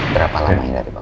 berapa lamanya dari pak